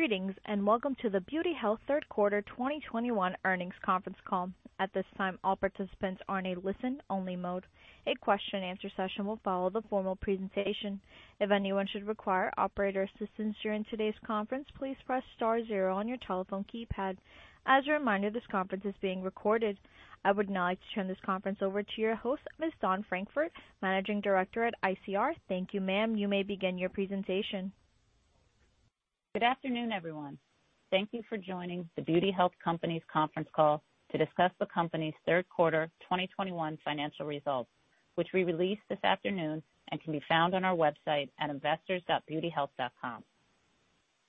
Greetings, and welcome to the Beauty Health third quarter 2021 earnings conference call. At this time, all participants are in a listen-only mode. A question-and-answer session will follow the formal presentation. If anyone should require operator assistance during today's conference, please press star zero on your telephone keypad. As a reminder, this conference is being recorded. I would now like to turn this conference over to your host, Ms. Dawn Francfort, Managing Director at ICR. Thank you, ma'am. You may begin your presentation. Good afternoon, everyone. Thank you for joining The Beauty Health Company conference call to discuss the company's third quarter 2021 financial results, which we released this afternoon and can be found on our website at investors.beautyhealth.com.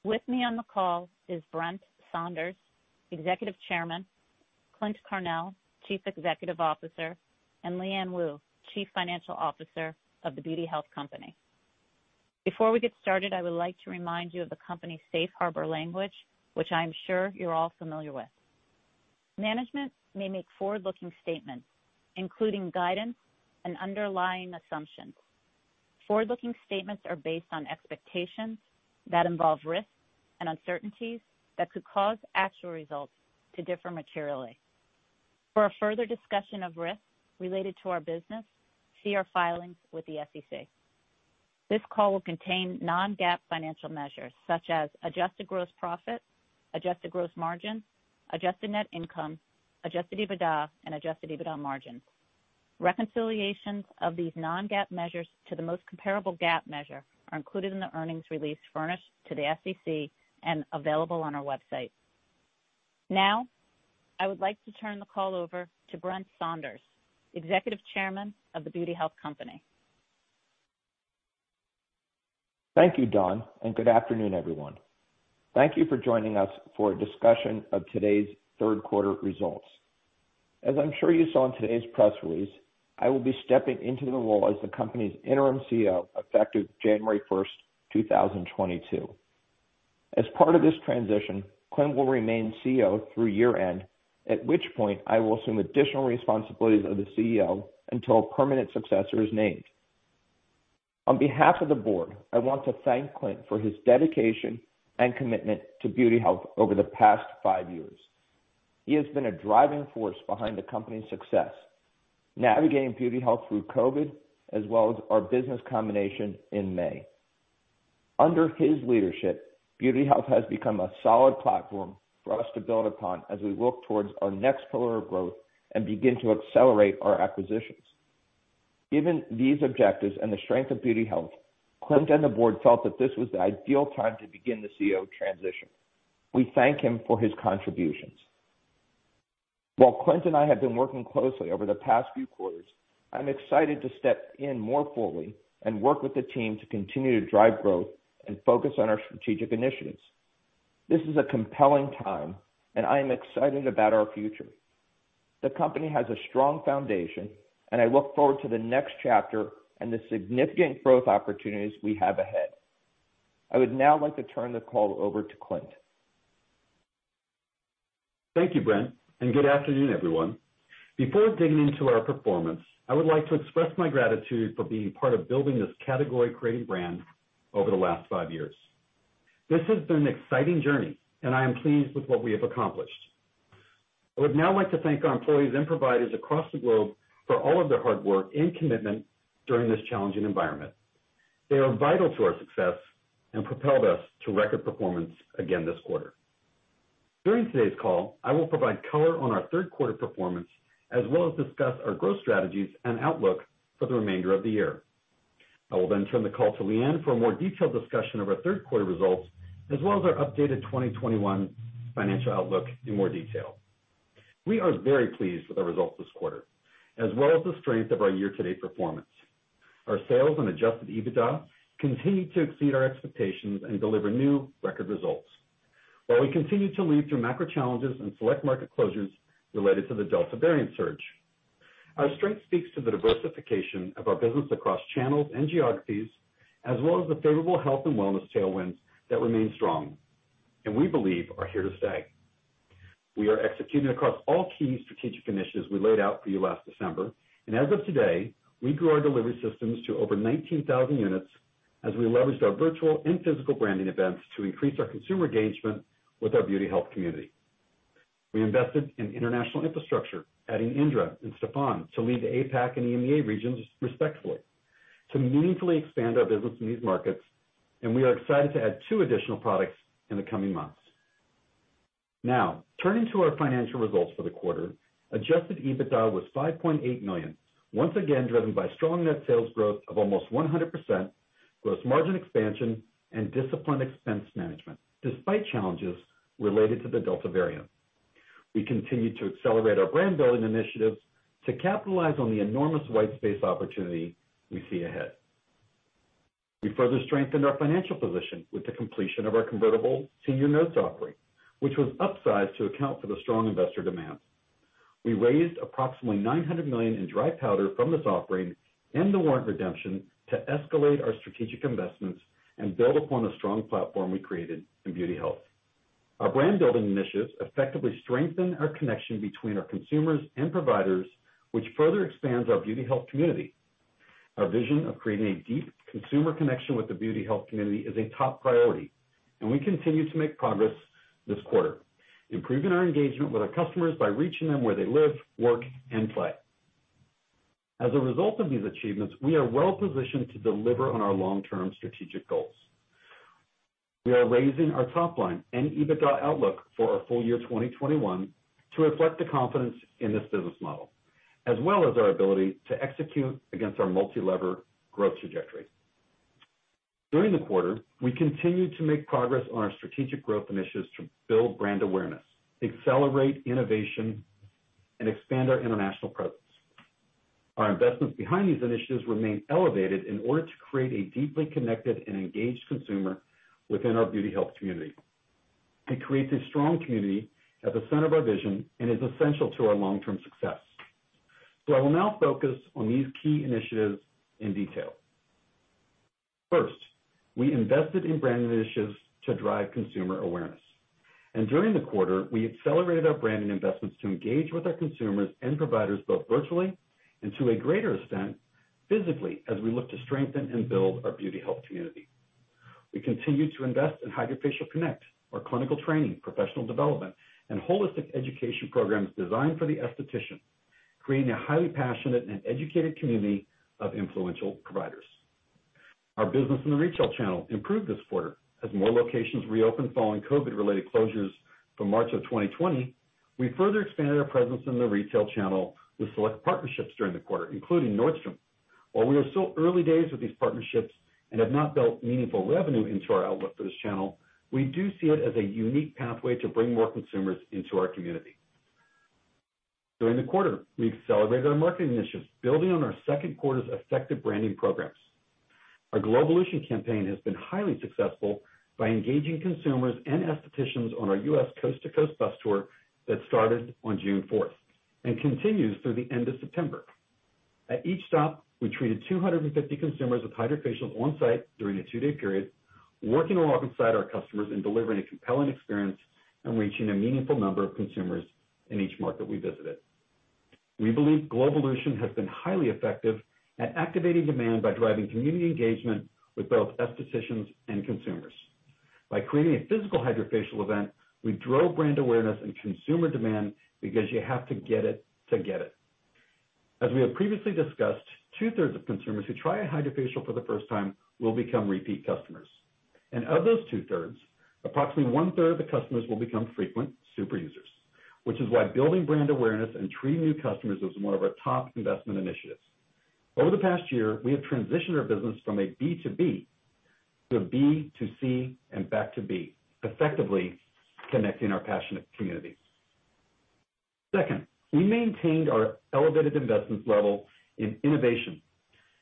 With me on the call is Brent Saunders, Executive Chairman, Clint Carnell, Chief Executive Officer, and Liyuan Woo, Chief Financial Officer of The Beauty Health Company. Before we get started, I would like to remind you of the company's safe harbor language, which I'm sure you're all familiar with. Management may make forward-looking statements, including guidance and underlying assumptions. Forward-looking statements are based on expectations that involve risks and uncertainties that could cause actual results to differ materially. For a further discussion of risks related to our business, see our filings with the SEC. This call will contain non-GAAP financial measures such as adjusted gross profit, adjusted gross margin, adjusted net income, adjusted EBITDA and adjusted EBITDA margin. Reconciliations of these non-GAAP measures to the most comparable GAAP measure are included in the earnings release furnished to the SEC and available on our website. Now, I would like to turn the call over to Brent Saunders, Executive Chairman of The Beauty Health Company. Thank you, Dawn, and good afternoon, everyone. Thank you for joining us for a discussion of today's third quarter results. As I'm sure you saw in today's press release, I will be stepping into the role as the company's interim CEO effective January 1st, 2022. As part of this transition, Clint will remain CEO through year-end, at which point I will assume additional responsibilities of the CEO until a permanent successor is named. On behalf of the board, I want to thank Clint for his dedication and commitment to Beauty Health over the past five years. He has been a driving force behind the company's success, navigating Beauty Health through COVID as well as our business combination in May. Under his leadership, Beauty Health has become a solid platform for us to build upon as we work towards our next pillar of growth and begin to accelerate our acquisitions. Given these objectives and the strength of Beauty Health, Clint and the board felt that this was the ideal time to begin the CEO transition. We thank him for his contributions. While Clint and I have been working closely over the past few quarters, I'm excited to step in more fully and work with the team to continue to drive growth and focus on our strategic initiatives. This is a compelling time, and I am excited about our future. The company has a strong foundation, and I look forward to the next chapter and the significant growth opportunities we have ahead. I would now like to turn the call over to Clint. Thank you, Brent, and good afternoon, everyone. Before digging into our performance, I would like to express my gratitude for being part of building this category creating brand over the last five years. This has been an exciting journey, and I am pleased with what we have accomplished. I would now like to thank our employees and providers across the globe for all of their hard work and commitment during this challenging environment. They are vital to our success and propelled us to record performance again this quarter. During today's call, I will provide color on our third quarter performance, as well as discuss our growth strategies and outlook for the remainder of the year. I will then turn the call to Liyuan for a more detailed discussion of our third quarter results as well as our updated 2021 financial outlook in more detail. We are very pleased with our results this quarter, as well as the strength of our year-to-date performance. Our sales and adjusted EBITDA continue to exceed our expectations and deliver new record results. While we continue to lead through macro challenges and select market closures related to the Delta variant surge, our strength speaks to the diversification of our business across channels and geographies, as well as the favorable health and wellness tailwinds that remain strong and we believe are here to stay. We are executing across all key strategic initiatives we laid out for you last December. As of today, we grew our delivery systems to over 19,000 units as we leveraged our virtual and physical branding events to increase our consumer engagement with our beauty health community. We invested in international infrastructure, adding Indra and Stefan to lead the APAC and EMEA regions respectively, to meaningfully expand our business in these markets. We are excited to add two additional products in the coming months. Now, turning to our financial results for the quarter. Adjusted EBITDA was $5.8 million, once again driven by strong net sales growth of almost 100%, gross margin expansion and disciplined expense management despite challenges related to the Delta variant. We continued to accelerate our brand building initiatives to capitalize on the enormous white space opportunity we see ahead. We further strengthened our financial position with the completion of our convertible senior notes offering, which was upsized to account for the strong investor demand. We raised approximately $900 million in dry powder from this offering and the warrant redemption to escalate our strategic investments and build upon the strong platform we created in Beauty Health. Our brand building initiatives effectively strengthen our connection between our consumers and providers, which further expands our beauty health community. Our vision of creating a deep consumer connection with the beauty health community is a top priority, and we continue to make progress this quarter, improving our engagement with our customers by reaching them where they live, work, and play. As a result of these achievements, we are well-positioned to deliver on our long-term strategic goals. We are raising our top line and EBITDA outlook for our full year 2021 to reflect the confidence in this business model, as well as our ability to execute against our multi-lever growth trajectory. During the quarter, we continued to make progress on our strategic growth initiatives to build brand awareness, accelerate innovation, and expand our international presence. Our investments behind these initiatives remain elevated in order to create a deeply connected and engaged consumer within our beauty health community. It creates a strong community at the center of our vision and is essential to our long-term success. I will now focus on these key initiatives in detail. First, we invested in brand initiatives to drive consumer awareness. During the quarter, we accelerated our branding investments to engage with our consumers and providers, both virtually and to a greater extent, physically, as we look to strengthen and build our beauty health community. We continue to invest in HydraFacial CONNECT, our clinical training, professional development, and holistic education programs designed for the esthetician, creating a highly passionate and educated community of influential providers. Our business in the retail channel improved this quarter as more locations reopened following COVID-related closures from March 2020. We further expanded our presence in the retail channel with select partnerships during the quarter, including Nordstrom. While we are still early days with these partnerships and have not built meaningful revenue into our outlook for this channel, we do see it as a unique pathway to bring more consumers into our community. During the quarter, we accelerated our marketing initiatives, building on our second quarter's effective branding programs. Our GLOWvolution campaign has been highly successful by engaging consumers and estheticians on our U.S. coast-to-coast bus tour that started on June 4th and continues through the end of September. At each stop, we treated 250 consumers with HydraFacial on-site during a two-day period, working alongside our customers in delivering a compelling experience and reaching a meaningful number of consumers in each market we visited. We believe GLOWvolution has been highly effective at activating demand by driving community engagement with both estheticians and consumers. By creating a physical HydraFacial event, we drove brand awareness and consumer demand because you have to get it to get it. As we have previously discussed, 2/3s of consumers who try a HydraFacial for the first time will become repeat customers. Of those two-thirds, approximately 1/3 of the customers will become frequent super users, which is why building brand awareness and treating new customers is one of our top investment initiatives. Over the past year, we have transitioned our business from a B2B to a B2C and back to B, effectively connecting our passionate communities. Second, we maintained our elevated investments level in innovation,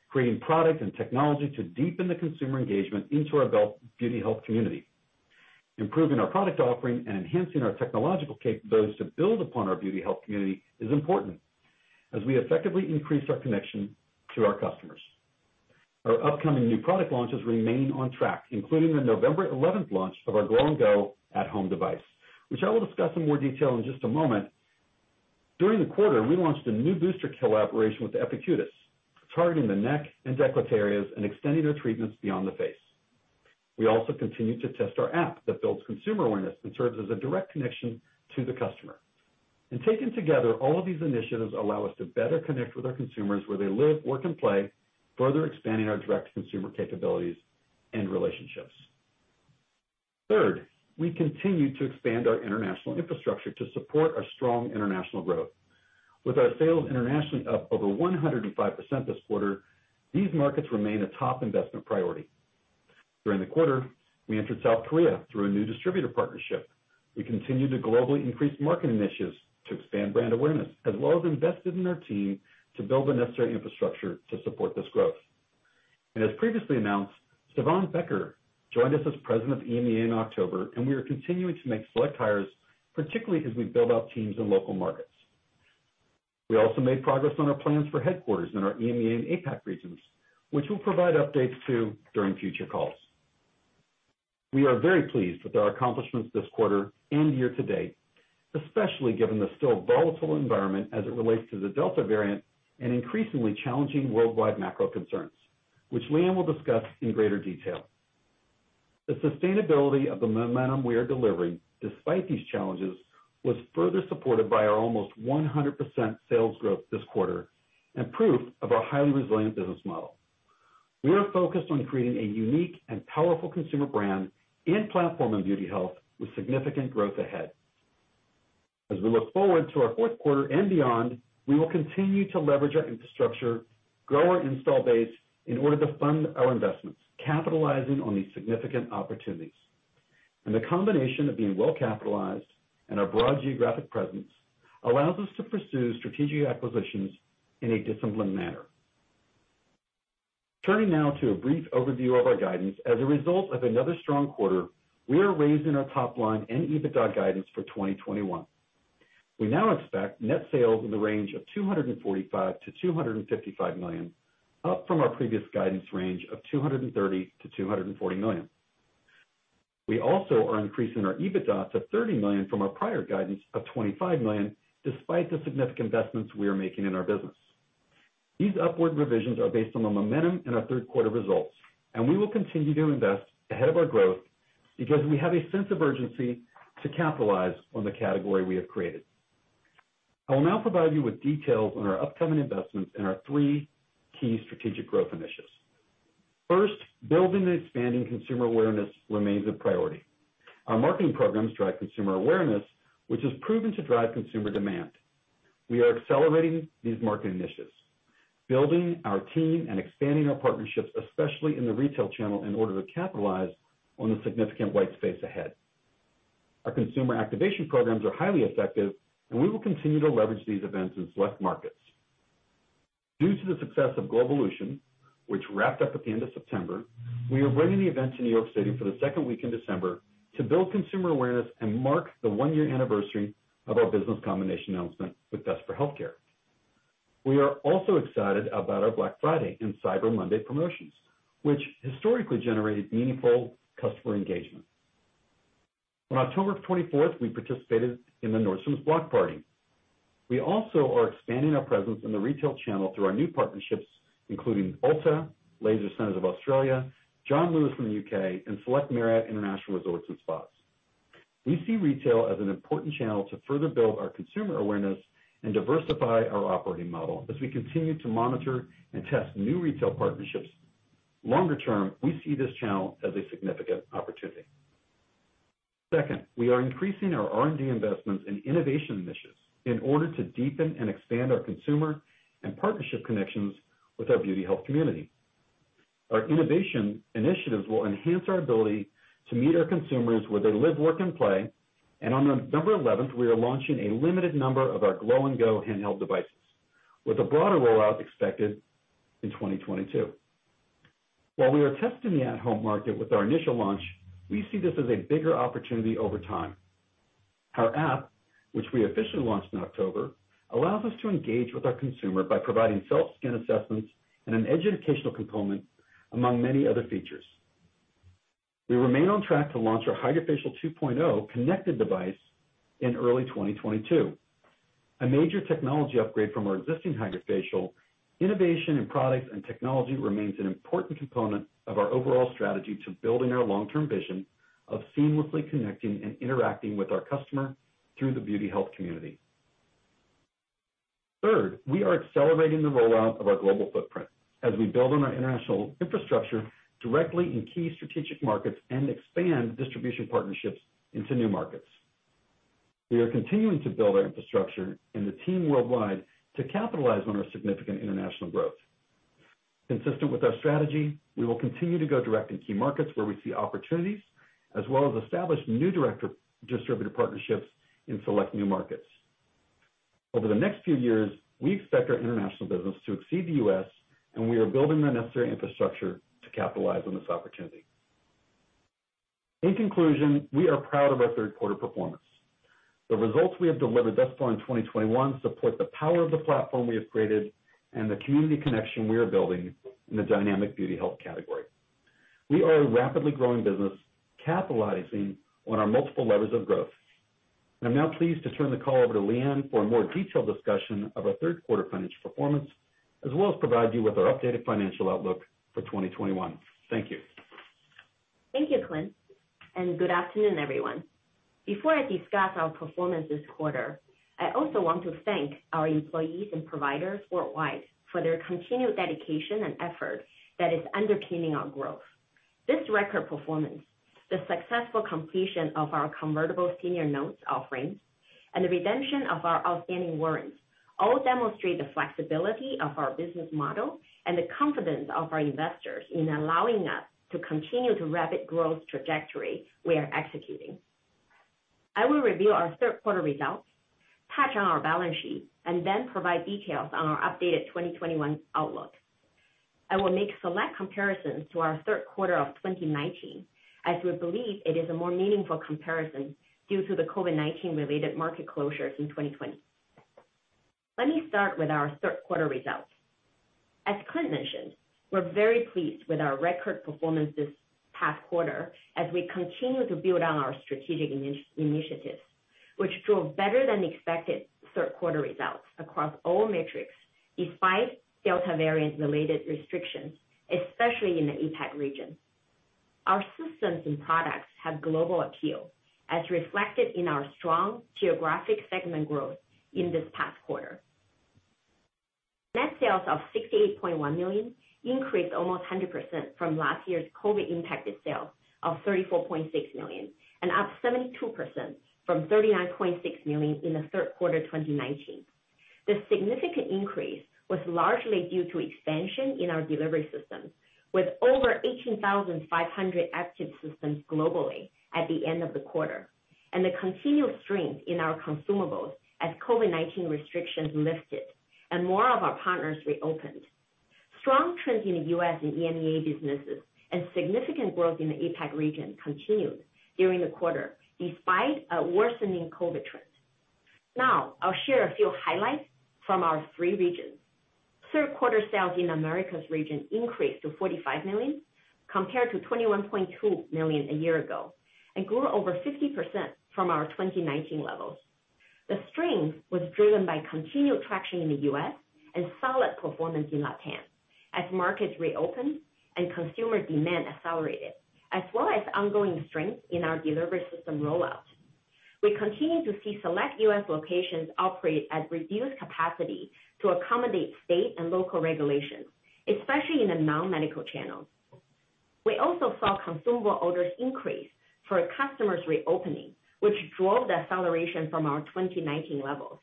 creating product and technology to deepen the consumer engagement into our beauty health community. Improving our product offering and enhancing our technological capabilities to build upon our beauty health community is important as we effectively increase our connection to our customers. Our upcoming new product launches remain on track, including the November 11th launch of our Glow & Go at-home device, which I will discuss in more detail in just a moment. During the quarter, we launched a new booster collaboration with Epicutis, targeting the neck and décolleté areas and extending their treatments beyond the face. We also continued to test our app that builds consumer awareness and serves as a direct connection to the customer. Taken together, all of these initiatives allow us to better connect with our consumers where they live, work, and play, further expanding our direct-to-consumer capabilities and relationships. Third, we continued to expand our international infrastructure to support our strong international growth. With our sales internationally up over 105% this quarter, these markets remain a top investment priority. During the quarter, we entered South Korea through a new distributor partnership. We continued to globally increase marketing initiatives to expand brand awareness, as well as invested in our team to build the necessary infrastructure to support this growth. As previously announced, Stéphane Becker joined us as President of EMEA in October, and we are continuing to make select hires, particularly as we build out teams in local markets. We also made progress on our plans for headquarters in our EMEA and APAC regions, which we'll provide updates to during future calls. We are very pleased with our accomplishments this quarter and year-to-date, especially given the still volatile environment as it relates to the Delta variant and increasingly challenging worldwide macro concerns, which Liyuan will discuss in greater detail. The sustainability of the momentum we are delivering despite these challenges was further supported by our almost 100% sales growth this quarter and proof of our highly resilient business model. We are focused on creating a unique and powerful consumer brand and platform in beauty health with significant growth ahead. As we look forward to our fourth quarter and beyond, we will continue to leverage our infrastructure, grow our install base in order to fund our investments, capitalizing on these significant opportunities. The combination of being well-capitalized and our broad geographic presence allows us to pursue strategic acquisitions in a disciplined manner. Turning now to a brief overview of our guidance. As a result of another strong quarter, we are raising our top line and EBITDA guidance for 2021. We now expect net sales in the range of $245 million-$255 million, up from our previous guidance range of $230 million-$240 million. We also are increasing our EBITDA to $30 million from our prior guidance of $25 million, despite the significant investments we are making in our business. These upward revisions are based on the momentum in our third quarter results, and we will continue to invest ahead of our growth because we have a sense of urgency to capitalize on the category we have created. I will now provide you with details on our upcoming investments in our three key strategic growth initiatives. First, building and expanding consumer awareness remains a priority. Our marketing programs drive consumer awareness, which has proven to drive consumer demand. We are accelerating these marketing initiatives, building our team and expanding our partnerships, especially in the retail channel, in order to capitalize on the significant white space ahead. Our consumer activation programs are highly effective, and we will continue to leverage these events in select markets. Due to the success of GLOWvolution, which wrapped up at the end of September, we are bringing the event to New York City for the second week in December to build consumer awareness and mark the one-year anniversary of our business combination announcement with Vesper Healthcare. We are also excited about our Black Friday and Cyber Monday promotions, which historically generated meaningful customer engagement. On October 24th, we participated in the Nordstrom Block Party. We also are expanding our presence in the retail channel through our new partnerships, including Ulta, Laser Clinics Australia, John Lewis from the U.K., and select Marriott International resorts and spas. We see retail as an important channel to further build our consumer awareness and diversify our operating model as we continue to monitor and test new retail partnerships. Longer term, we see this channel as a significant opportunity. Second, we are increasing our R&D investments in innovation initiatives in order to deepen and expand our consumer and partnership connections with our beauty health community. Our innovation initiatives will enhance our ability to meet our consumers where they live, work, and play. On November eleventh, we are launching a limited number of our Glow & Go handheld devices, with a broader rollout expected in 2022. While we are testing the at-home market with our initial launch, we see this as a bigger opportunity over time. Our app, which we officially launched in October, allows us to engage with our consumer by providing self-skin assessments and an educational component, among many other features. We remain on track to launch our HydraFacial 2.0 connected device in early 2022, a major technology upgrade from our existing HydraFacial. Innovation in products and technology remains an important component of our overall strategy to building our long-term vision of seamlessly connecting and interacting with our customer through the beauty health community. Third, we are accelerating the rollout of our global footprint as we build on our international infrastructure directly in key strategic markets and expand distribution partnerships into new markets. We are continuing to build our infrastructure and the team worldwide to capitalize on our significant international growth. Consistent with our strategy, we will continue to go direct in key markets where we see opportunities, as well as establish new distributor partnerships in select new markets. Over the next few years, we expect our international business to exceed the U.S., and we are building the necessary infrastructure to capitalize on this opportunity. In conclusion, we are proud of our third quarter performance. The results we have delivered thus far in 2021 support the power of the platform we have created and the community connection we are building in the dynamic beauty health category. We are a rapidly growing business capitalizing on our multiple levers of growth. I'm now pleased to turn the call over to Liyuan for a more detailed discussion of our third quarter financial performance, as well as provide you with our updated financial outlook for 2021. Thank you. Thank you, Clint, and good afternoon, everyone. Before I discuss our performance this quarter, I also want to thank our employees and providers worldwide for their continued dedication and effort that is underpinning our growth. This record performance, the successful completion of our convertible senior notes offerings, and the redemption of our outstanding warrants all demonstrate the flexibility of our business model and the confidence of our investors in allowing us to continue the rapid growth trajectory we are executing. I will review our third quarter results, touch on our balance sheet, and then provide details on our updated 2021 outlook. I will make select comparisons to our third quarter of 2019, as we believe it is a more meaningful comparison due to the COVID-19 related market closures in 2020. Let me start with our third quarter results. As Clint mentioned, we're very pleased with our record performance this past quarter as we continue to build on our strategic initiatives, which drove better than expected third quarter results across all metrics, despite Delta variant related restrictions, especially in the APAC region. Our systems and products have global appeal, as reflected in our strong geographic segment growth in this past quarter. Net sales of $68.1 million increased almost 100% from last year's COVID-impacted sales of $34.6 million, and up 72% from $39.6 million in the third quarter of 2019. The significant increase was largely due to expansion in our delivery systems, with over 18,500 active systems globally at the end of the quarter, and the continued strength in our consumables as COVID-19 restrictions lifted and more of our partners reopened. Strong trends in the U.S. and EMEA businesses and significant growth in the APAC region continued during the quarter despite a worsening COVID trend. Now, I'll share a few highlights from our three regions. Third quarter sales in Americas region increased to $45 million, compared to $21.2 million a year ago, and grew over 50% from our 2019 levels. The strength was driven by continued traction in the U.S. and solid performance in LatAm as markets reopened and consumer demand accelerated, as well as ongoing strength in our delivery system rollout. We continue to see select U.S. locations operate at reduced capacity to accommodate state and local regulations, especially in the non-medical channels. We also saw consumable orders increase for customers reopening, which drove the acceleration from our 2019 levels.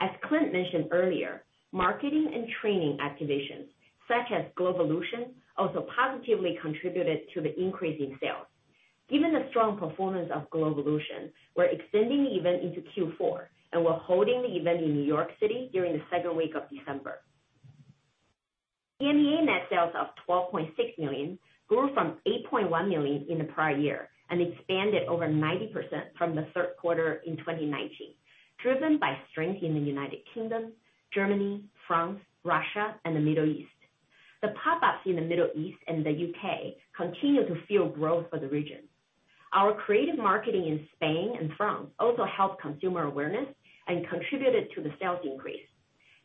As Clint mentioned earlier, marketing and training activations such as GLOWvolution also positively contributed to the increase in sales. Given the strong performance of GLOWvolution, we're extending the event into Q4, and we're holding the event in New York City during the second week of December. EMEA net sales of $12.6 million grew from $8.1 million in the prior year and expanded over 90% from the third quarter in 2019, driven by strength in the United Kingdom, Germany, France, Russia, and the Middle East. The pop-ups in the Middle East and the U.K. continue to fuel growth for the region. Our creative marketing in Spain and France also helped consumer awareness and contributed to the sales increase.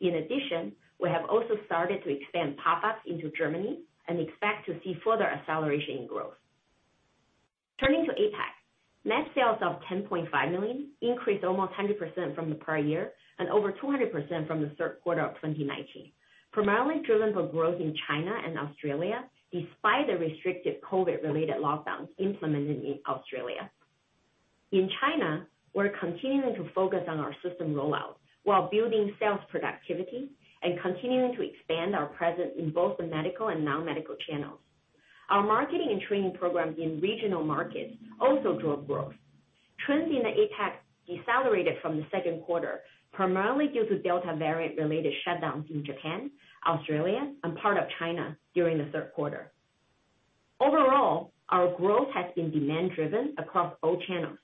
In addition, we have also started to expand pop-ups into Germany and expect to see further acceleration in growth. Turning to APAC. Net sales of $10.5 million increased almost 100% from the prior year and over 200% from the third quarter of 2019, primarily driven by growth in China and Australia despite the restrictive COVID-related lockdowns implemented in Australia. In China, we're continuing to focus on our system rollout while building sales productivity and continuing to expand our presence in both the medical and non-medical channels. Our marketing and training program in regional markets also drove growth. Trends in the APAC decelerated from the second quarter, primarily due to Delta variant-related shutdowns in Japan, Australia, and part of China during the third quarter. Overall, our growth has been demand-driven across all channels.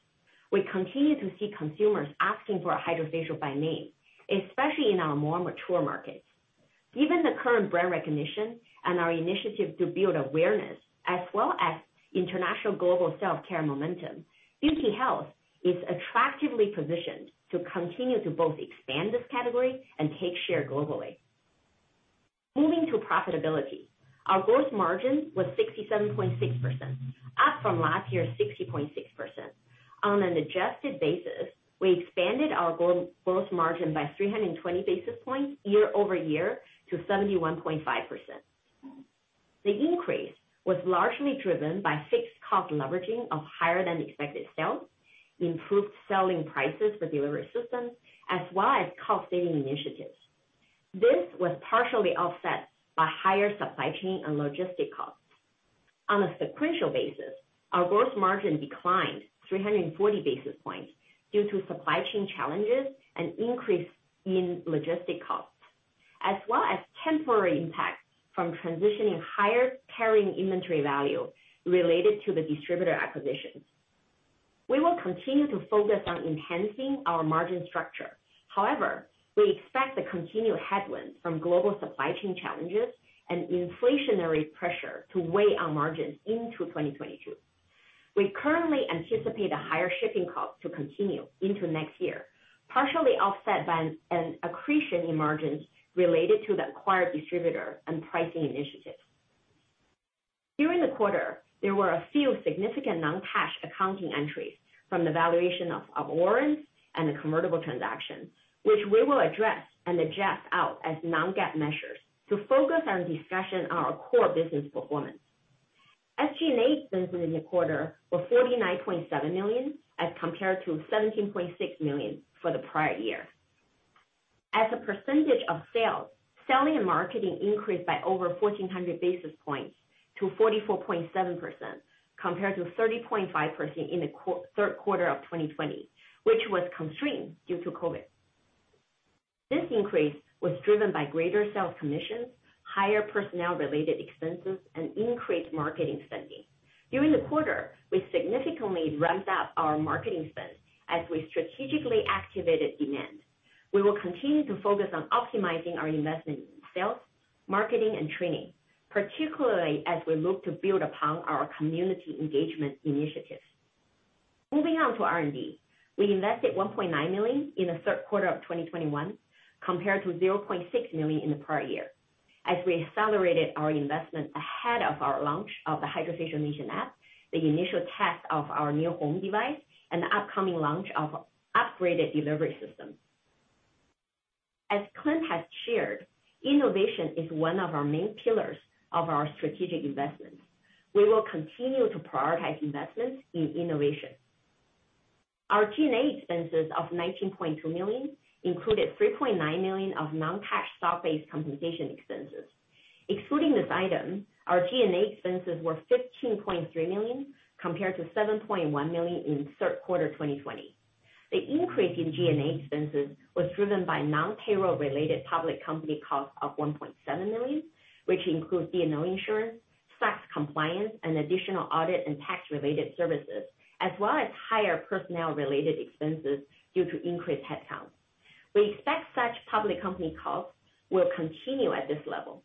We continue to see consumers asking for a HydraFacial by name, especially in our more mature markets. Given the current brand recognition and our initiative to build awareness as well as international global self-care momentum, Beauty Health is attractively positioned to continue to both expand this category and take share globally. Moving to profitability. Our gross margin was 67.6%, up from last year's 60.6%. On an adjusted basis, we expanded our gross margin by 320 basis points year-over-year to 71.5%. The increase was largely driven by fixed cost leveraging of higher than expected sales, improved selling prices for delivery systems, as well as cost-saving initiatives. This was partially offset by higher supply chain and logistic costs. On a sequential basis, our gross margin declined 340 basis points due to supply chain challenges and increase in logistics costs, as well as temporary impacts from transitioning higher carrying inventory value related to the distributor acquisitions. We will continue to focus on enhancing our margin structure. However, we expect the continued headwinds from global supply chain challenges and inflationary pressure to weigh on margins into 2022. We currently anticipate the higher shipping costs to continue into next year, partially offset by an accretion in margins related to the acquired distributor and pricing initiatives. During the quarter, there were a few significant non-cash accounting entries from the valuation of warrants and the convertible transaction, which we will address and adjust out as non-GAAP measures to focus our discussion on our core business performance. SG&A expenses in the quarter were $49.7 million, as compared to $17.6 million for the prior year. As a percentage of sales, selling and marketing increased by over 1,400 basis points to 44.7%, compared to 30.5% in the third quarter of 2020, which was constrained due to COVID. This increase was driven by greater sales commissions, higher personnel-related expenses, and increased marketing spending. During the quarter, we significantly ramped up our marketing spend as we strategically activated demand. We will continue to focus on optimizing our investment in sales, marketing, and training, particularly as we look to build upon our community engagement initiatives. Moving on to R&D. We invested $1.9 million in the third quarter of 2021, compared to $0.6 million in the prior year, as we accelerated our investment ahead of our launch of the HydraFacial Nation app, the initial test of our new home device, and the upcoming launch of upgraded delivery systems. As Clint has shared, innovation is one of our main pillars of our strategic investments. We will continue to prioritize investments in innovation. Our G&A expenses of $19.2 million included $3.9 million of non-cash stock-based compensation expenses. Excluding this item, our G&A expenses were $15.3 million, compared to $7.1 million in third quarter 2020. The increase in G&A expenses was driven by non-payroll related public company costs of $1.7 million, which includes D&O insurance, tax compliance, and additional audit and tax related services, as well as higher personnel-related expenses due to increased headcount. We expect such public company costs will continue at this level.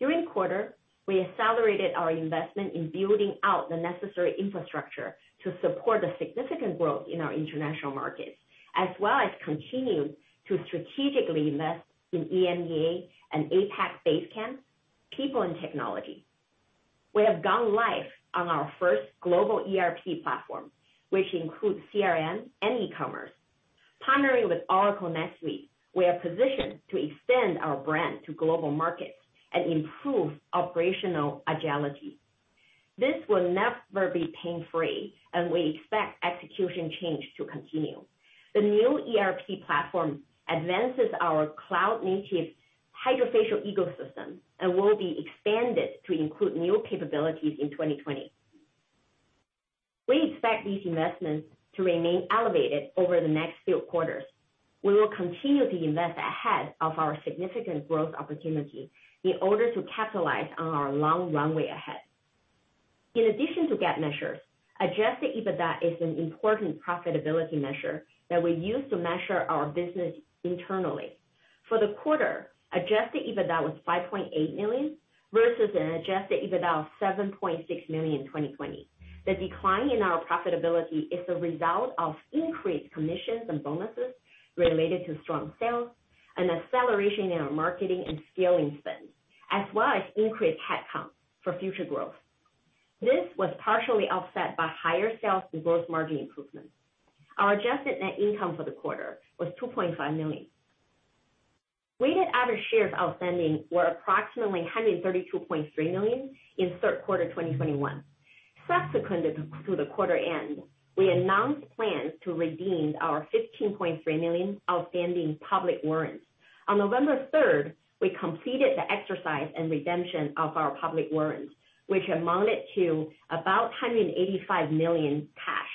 During the quarter, we accelerated our investment in building out the necessary infrastructure to support the significant growth in our international markets, as well as continue to strategically invest in EMEA and APAC base camps, people, and technology. We have gone live on our first global ERP platform, which includes CRM and e-commerce. Partnering with Oracle NetSuite, we are positioned to extend our brand to global markets and improve operational agility. This will never be pain-free, and we expect execution change to continue. The new ERP platform advances our cloud-native HydraFacial ecosystem and will be expanded to include new capabilities in 2020. We expect these investments to remain elevated over the next few quarters. We will continue to invest ahead of our significant growth opportunities in order to capitalize on our long runway ahead. In addition to GAAP measures, adjusted EBITDA is an important profitability measure that we use to measure our business internally. For the quarter, adjusted EBITDA was $5.8 million, versus an adjusted EBITDA of $7.6 million in 2020. The decline in our profitability is a result of increased commissions and bonuses related to strong sales, an acceleration in our marketing and scaling spend, as well as increased headcount for future growth. This was partially offset by higher sales and gross margin improvements. Our adjusted net income for the quarter was $2.5 million. Weighted average shares outstanding were approximately 132.3 million in third quarter of 2021. Subsequent to the quarter end, we announced plans to redeem our 15.3 million outstanding public warrants. On November 3rd, we completed the exercise and redemption of our public warrants, which amounted to about $185 million cash,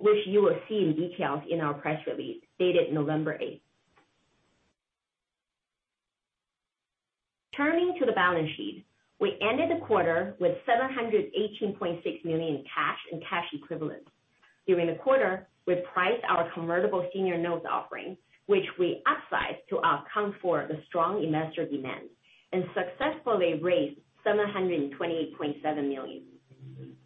which you will see in detail in our press release dated November 8th. Turning to the balance sheet. We ended the quarter with $718.6 million in cash and cash equivalents. During the quarter, we priced our convertible senior notes offering, which we upsized to account for the strong investor demand, and successfully raised $728.7 million.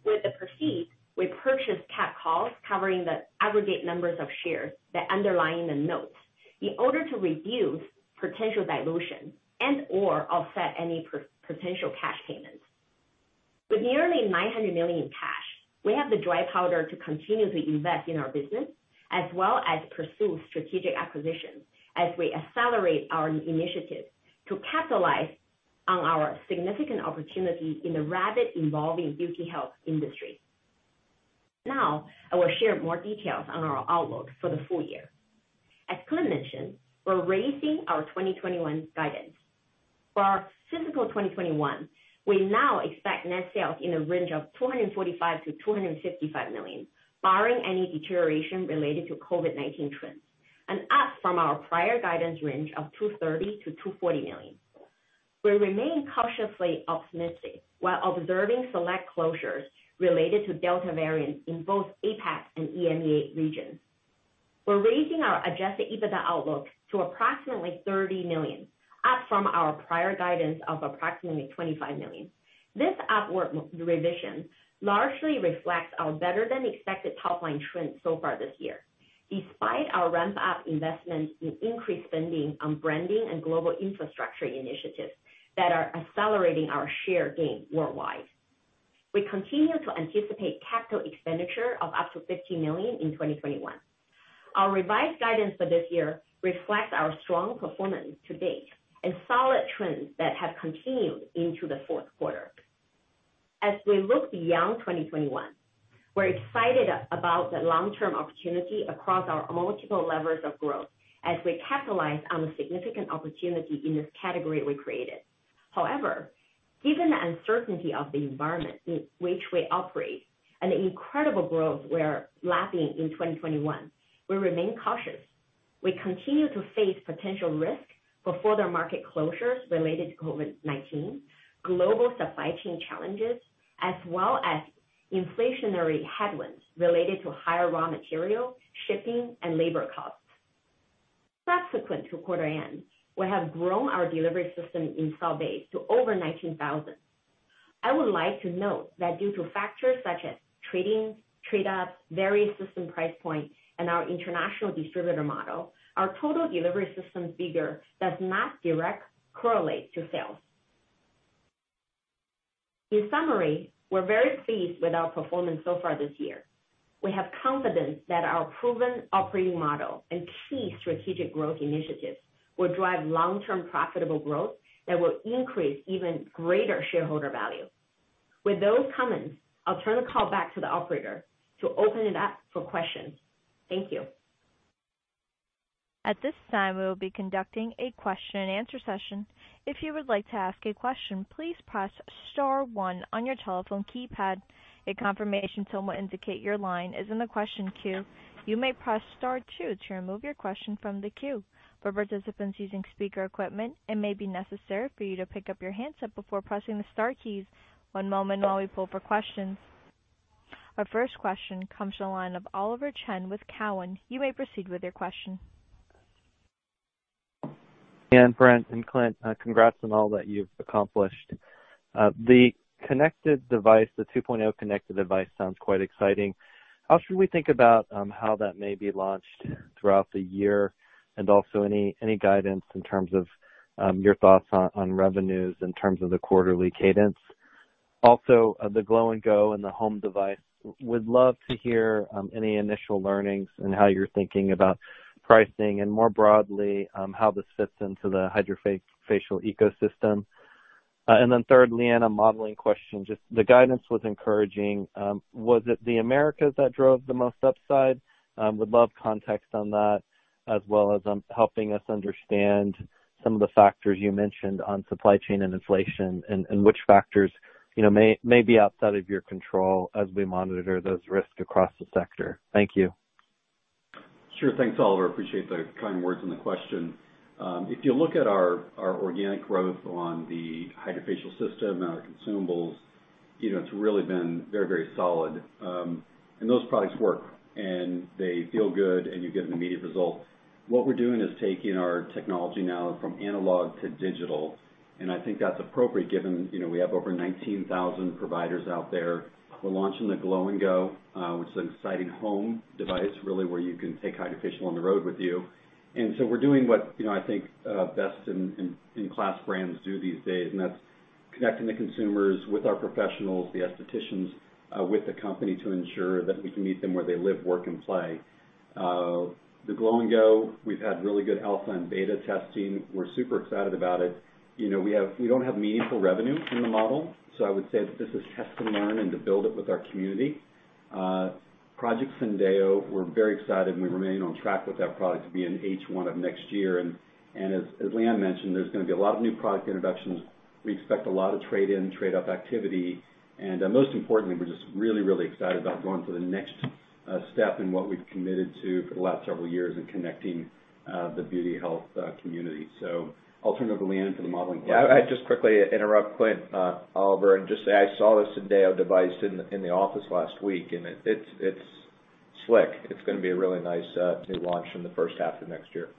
With the proceeds, we purchased capped calls covering the aggregate number of shares that underlie the notes in order to reduce potential dilution and/or offset any potential cash payments. With nearly $900 million in cash, we have the dry powder to continue to invest in our business as well as pursue strategic acquisitions as we accelerate our initiatives to capitalize on our significant opportunity in the rapidly evolving beauty health industry. Now, I will share more details on our outlook for the full year. As Clint mentioned, we're raising our 2021 guidance. For our fiscal 2021, we now expect net sales in the range of $245 million-$255 million, barring any deterioration related to COVID-19 trends, and up from our prior guidance range of $230 million-$240 million. We remain cautiously optimistic while observing select closures related to Delta variant in both APAC and EMEA regions. We're raising our adjusted EBITDA outlook to approximately $30 million, up from our prior guidance of approximately $25 million. This upward revision largely reflects our better than expected top line trends so far this year, despite our ramp-up investments in increased spending on branding and global infrastructure initiatives that are accelerating our share gain worldwide. We continue to anticipate capital expenditure of up to $50 million in 2021. Our revised guidance for this year reflects our strong performance to date and solid trends that have continued into the fourth quarter. As we look beyond 2021, we're excited about the long-term opportunity across our multiple levers of growth as we capitalize on the significant opportunity in this category we created. However, given the uncertainty of the environment in which we operate and the incredible growth we're lapping in 2021, we remain cautious. We continue to face potential risks for further market closures related to COVID-19, global supply chain challenges, as well as inflationary headwinds related to higher raw material, shipping, and labor costs. Subsequent to quarter end, we have grown our delivery system install base to over 19,000. I would like to note that due to factors such as trading, trade up, varying system price point, and our international distributor model, our total delivery system figure does not directly correlate to sales. In summary, we're very pleased with our performance so far this year. We have confidence that our proven operating model and key strategic growth initiatives will drive long-term profitable growth that will increase even greater shareholder value. With those comments, I'll turn the call back to the operator to open it up for questions. Thank you. At this time, we will be conducting a question-and-answer session. If you would like to ask a question, please press star one on your telephone keypad. A confirmation tone will indicate your line is in the question queue. You may press star two to remove your question from the queue. For participants using speaker equipment, it may be necessary for you to pick up your handset before pressing the star keys. One moment while we pull for questions. Our first question comes from the line of Oliver Chen with Cowen. You may proceed with your question. Brent and Clint, congrats on all that you've accomplished. The connected device, the 2.0 connected device sounds quite exciting. How should we think about how that may be launched throughout the year? Any guidance in terms of your thoughts on revenues in terms of the quarterly cadence? The Glow & Go and the home device, would love to hear any initial learnings and how you're thinking about pricing, and more broadly, how this fits into the HydraFacial ecosystem. Third, Liyuan, a modeling question. Just the guidance was encouraging. Was it the Americas that drove the most upside? I would love context on that as well as on helping us understand some of the factors you mentioned on supply chain and inflation, and which factors, you know, may be outside of your control as we monitor those risks across the sector. Thank you. Sure. Thanks, Oliver. Appreciate the kind words and the question. If you look at our organic growth on the HydraFacial system and our consumables, you know, it's really been very solid. Those products work, and they feel good, and you get an immediate result. What we're doing is taking our technology now from analog to digital, and I think that's appropriate given, you know, we have over 19,000 providers out there. We're launching the Glow & Go, which is an exciting home device, really where you can take HydraFacial on the road with you. We're doing what, you know, I think, best-in-class brands do these days, and that's connecting the consumers with our professionals, the aestheticians, with the company to ensure that we can meet them where they live, work, and play. The Glow & Go, we've had really good alpha and beta testing. We're super excited about it. You know, we don't have meaningful revenue in the model, so I would say that this is test and learn and to build it with our community. Project Syndeo, we're very excited, and we remain on track with that product to be in H1 of next year. As Liyuan mentioned, there's gonna be a lot of new product introductions. We expect a lot of trade-in, trade-up activity. Most importantly, we're just really, really excited about going to the next step in what we've committed to for the last several years in connecting the beauty health community. I'll turn it over to Liyuan for the modeling question. Yeah. I just quickly interrupt, Clint, Oliver, and just say I saw the Syndeo device in the office last week, and it's slick. It's gonna be a really nice new launch in the first half of next year.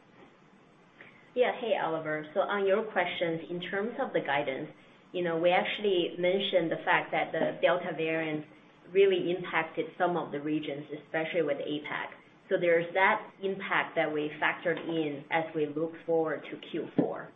Hey, Oliver. On your questions, in terms of the guidance, you know, we actually mentioned the fact that the Delta variant really impacted some of the regions, especially with APAC. There's that impact that we factored in as we look forward to Q4.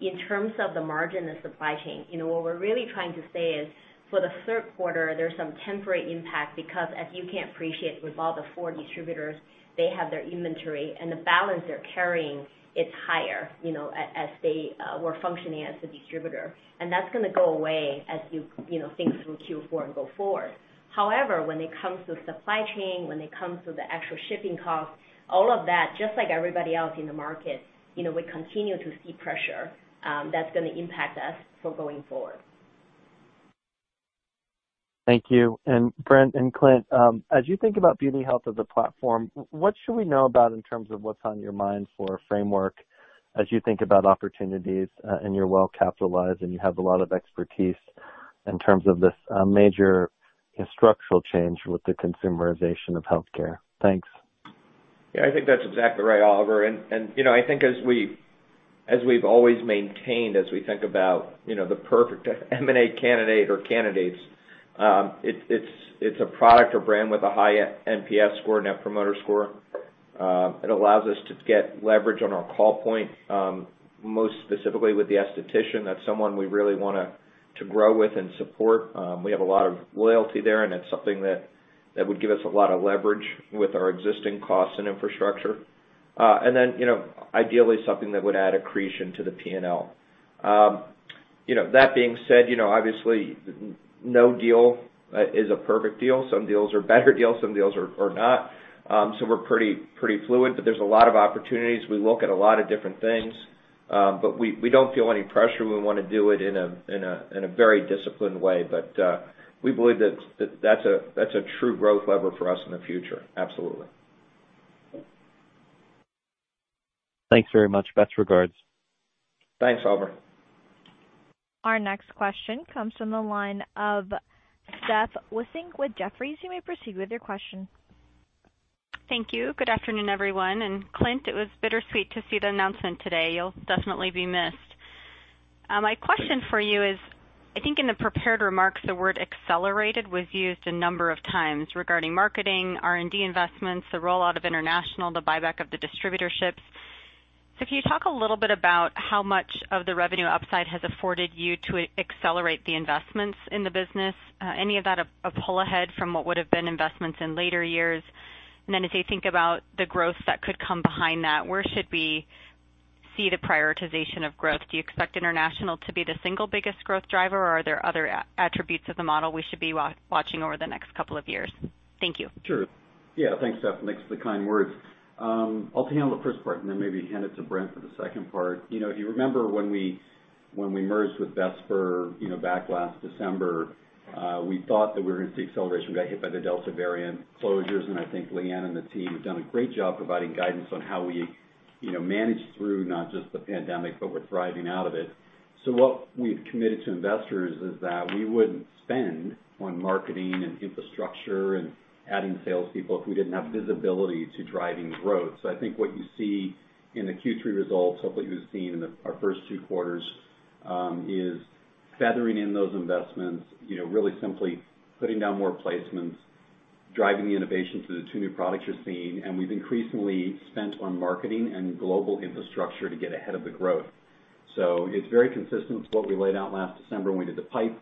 In terms of the margin and supply chain, you know what we're really trying to say is for the third quarter, there's some temporary impact because as you can appreciate with all of our distributors, they have their inventory and the balance they're carrying is higher, you know, as they were functioning as a distributor. That's gonna go away as you know, think through Q4 and go forward. However, when it comes to supply chain, when it comes to the actual shipping costs, all of that, just like everybody else in the market, you know, we continue to see pressure, that's gonna impact us for going forward. Thank you. Brent and Clint, as you think about Beauty Health as a platform, what should we know about in terms of what's on your mind for a framework as you think about opportunities, and you're well capitalized, and you have a lot of expertise in terms of this major, you know, structural change with the consumerization of healthcare? Thanks. Yeah. I think that's exactly right, Oliver. You know, I think as we've always maintained, as we think about, you know, the perfect M&A candidate or candidates, it's a product or brand with a high NPS score, net promoter score. It allows us to get leverage on our call point, most specifically with the aesthetician. That's someone we really want to grow with and support. We have a lot of loyalty there, and it's something that would give us a lot of leverage with our existing costs and infrastructure. You know, ideally something that would add accretion to the P&L. You know, that being said, you know, obviously no deal is a perfect deal. Some deals are better deals, some deals are not. We're pretty fluid, but there's a lot of opportunities. We look at a lot of different things, but we don't feel any pressure. We wanna do it in a very disciplined way. We believe that that's a true growth lever for us in the future. Absolutely. Thanks very much. Best regards. Thanks, Oliver. Our next question comes from the line of Steph Wissink with Jefferies. You may proceed with your question. Thank you. Good afternoon, everyone. Clint, it was bittersweet to see the announcement today. You'll definitely be missed. My question for you is, I think in the prepared remarks, the word accelerated was used a number of times regarding marketing, R&D investments, the rollout of international, the buyback of the distributorships. Can you talk a little bit about how much of the revenue upside has afforded you to accelerate the investments in the business? Any of that a pull ahead from what would've been investments in later years? As you think about the growth that could come behind that, where should we see the prioritization of growth? Do you expect international to be the single biggest growth driver, or are there other attributes of the model we should be watching over the next couple of years? Thank you. Sure. Yeah. Thanks, Steph. Thanks for the kind words. I'll handle the first part and then maybe hand it to Brent for the second part. You know, if you remember when we merged with Vesper, you know, back last December, we thought that we were gonna see acceleration. We got hit by the Delta variant closures, and I think Liyuan and the team have done a great job providing guidance on how we, you know, manage through not just the pandemic, but we're thriving out of it. What we've committed to investors is that we wouldn't spend on marketing and infrastructure and adding salespeople if we didn't have visibility to driving growth. I think what you see in the Q3 results and our first two quarters is feathering in those investments, you know, really simply putting down more placements, driving the innovation through the two new products you're seeing. We've increasingly spent on marketing and global infrastructure to get ahead of the growth. It's very consistent with what we laid out last December when we did the PIPE,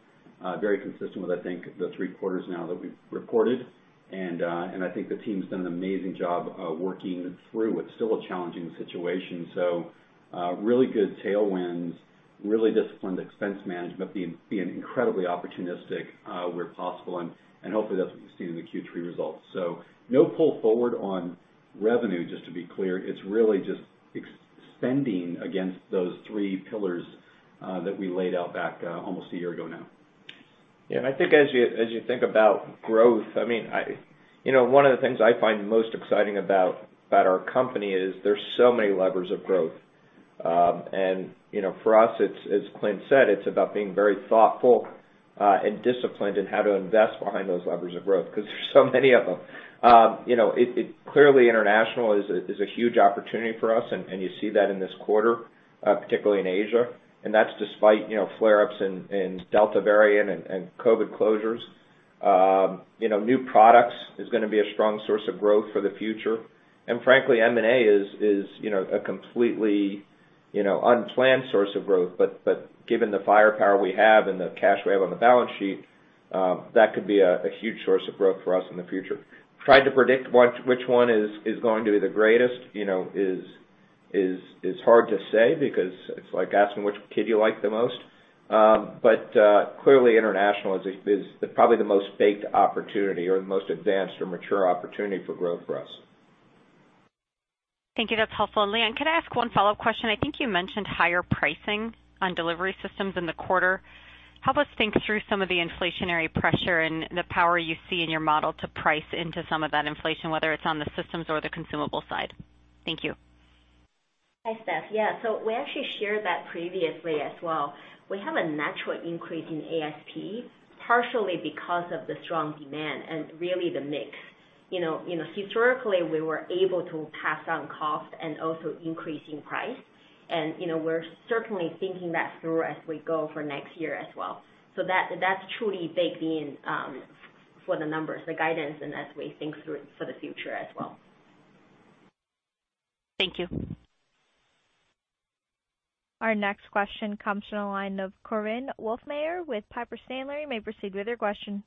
very consistent with, I think, the three quarters now that we've reported. I think the team's done an amazing job working through what's still a challenging situation. Really good tailwinds, really disciplined expense management, being incredibly opportunistic where possible, and hopefully that's what you see in the Q3 results. No pull forward on revenue, just to be clear. It's really just excess spending against those three pillars that we laid out back almost a year ago now. Yeah, I think as you think about growth, I mean, you know, one of the things I find most exciting about our company is there's so many levers of growth. You know, for us, it's as Clint said, it's about being very thoughtful and disciplined in how to invest behind those levers of growth 'cause there's so many of them. You know, clearly international is a huge opportunity for us, and you see that in this quarter, particularly in Asia. That's despite you know, flare-ups in Delta variant and COVID closures. You know, new products is gonna be a strong source of growth for the future. Frankly, M&A is, you know, a completely, you know, unplanned source of growth. Given the firepower we have and the cash we have on the balance sheet, that could be a huge source of growth for us in the future. Trying to predict which one is going to be the greatest, you know, is hard to say because it's like asking which kid you like the most. Clearly international is probably the most baked opportunity or the most advanced or mature opportunity for growth for us. Thank you. That's helpful. Liyuan, can I ask one follow-up question? I think you mentioned higher pricing on delivery systems in the quarter. Help us think through some of the inflationary pressure and the power you see in your model to price into some of that inflation, whether it's on the systems or the consumable side. Thank you. Hi, Steph. Yeah. We actually shared that previously as well. We have a natural increase in ASP, partially because of the strong demand and really the mix. You know, historically, we were able to pass on cost and also increase in price. You know, we're certainly thinking that through as we go for next year as well. That, that's truly baked in for the numbers, the guidance and as we think through for the future as well. Thank you. Our next question comes from the line of Korinne Wolfmeyer with Piper Sandler. You may proceed with your question.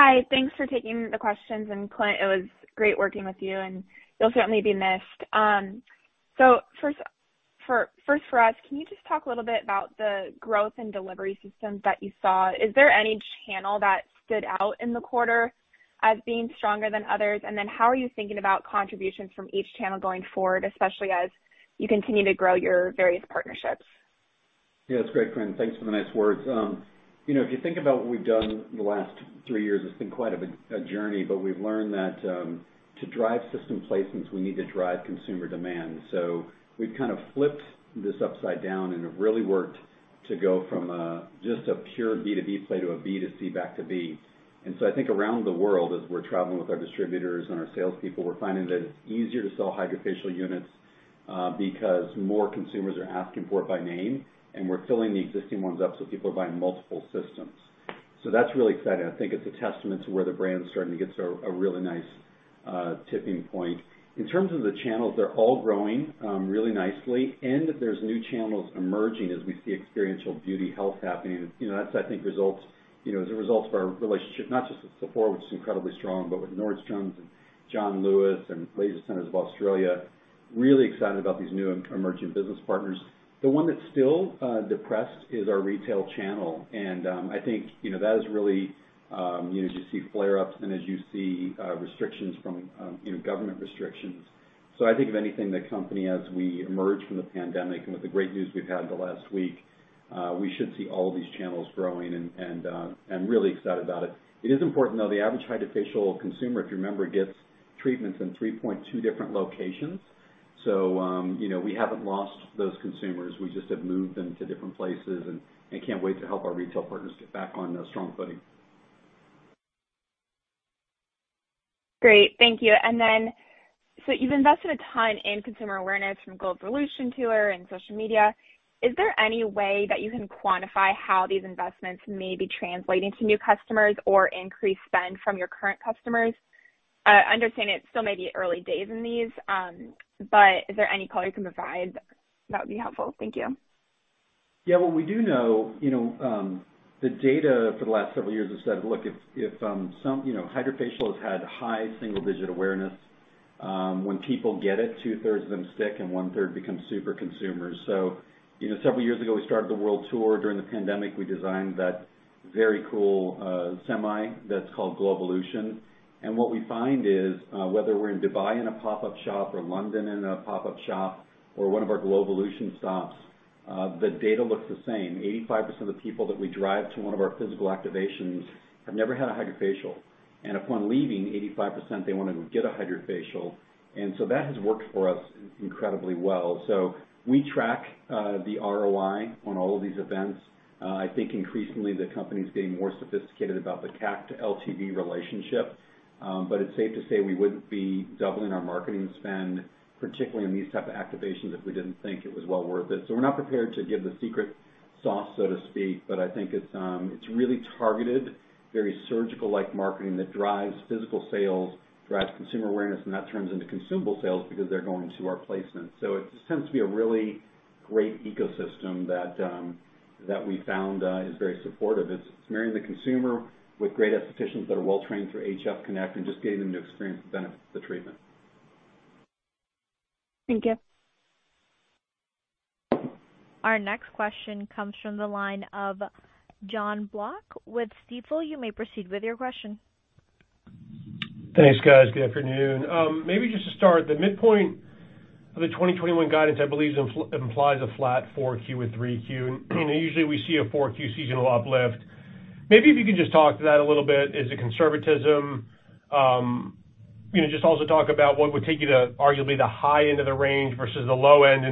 Hi. Thanks for taking the questions. Clint, it was great working with you, and you'll certainly be missed. So first for us, can you just talk a little bit about the growth in delivery systems that you saw? Is there any channel that stood out in the quarter as being stronger than others? Then how are you thinking about contributions from each channel going forward, especially as you continue to grow your various partnerships? Yeah, that's great, Korinne. Thanks for the nice words. You know, if you think about what we've done the last three years, it's been quite a bit of a journey, but we've learned that to drive system placements, we need to drive consumer demand. We've kind of flipped this upside down and have really worked to go from just a pure B2B play to a B2C back to B2B. I think around the world, as we're traveling with our distributors and our salespeople, we're finding that it's easier to sell HydraFacial units because more consumers are asking for it by name, and we're filling the existing ones up, so people are buying multiple systems. That's really exciting. I think it's a testament to where the brand is starting to get to a really nice tipping point. In terms of the channels, they're all growing really nicely, and there's new channels emerging as we see experiential beauty health happening. You know, that's, I think, results you know as a result of our relationship, not just with Sephora, which is incredibly strong, but with Nordstrom and John Lewis and Laser Clinics Australia, really excited about these new emerging business partners. The one that's still depressed is our retail channel. I think you know that is really you know as you see flare-ups and as you see restrictions from you know government restrictions. I think if anything, the company, as we emerge from the pandemic and with the great news we've had the last week, we should see all of these channels growing and I'm really excited about it. It is important, though, the average HydraFacial consumer, if you remember, gets treatments in 3.2 different locations. You know, we haven't lost those consumers. We just have moved them to different places, and I can't wait to help our retail partners get back on strong footing. Great. Thank you. You've invested a ton in consumer awareness from GLOWvolution tour and social media. Is there any way that you can quantify how these investments may be translating to new customers or increased spend from your current customers? I understand it still may be early days in these, but is there any color you can provide that would be helpful? Thank you. Yeah. What we do know, you know, the data for the last several years has said, look, you know, HydraFacial has had high single digit awareness. When people get it, 2/3 of them stick, and 1/3 become super consumers. You know, several years ago, we started the world tour. During the pandemic, we designed that very cool semi that's called GLOWvolution. What we find is, whether we're in Dubai in a pop-up shop or London in a pop-up shop or one of our GLOWvolution stops, the data looks the same. 85% of the people that we drive to one of our physical activations have never had a HydraFacial. Upon leaving, 85% they want to get a HydraFacial. That has worked for us incredibly well. We track the ROI on all of these events. I think increasingly the company's getting more sophisticated about the CAC to LTV relationship. It's safe to say we wouldn't be doubling our marketing spend, particularly in these type of activations, if we didn't think it was well worth it. We're not prepared to give the secret sauce, so to speak, but I think it's really targeted, very surgical-like marketing that drives physical sales, drives consumer awareness, and that turns into consumable sales because they're going to our placements. It seems to be a really great ecosystem that we found is very supportive. It's marrying the consumer with great aestheticians that are well trained through HF Connect and just getting them to experience the benefits of the treatment. Thank you. Our next question comes from the line of John Block with Stifel. You may proceed with your question. Thanks, guys. Good afternoon. Maybe just to start, the midpoint of the 2021 guidance, I believe, implies a flat 4Q with 3Q. Usually we see a 4Q seasonal uplift. Maybe if you can just talk to that a little bit. Is it conservatism? You know, just also talk about what would take you to arguably the high end of the range versus the low end.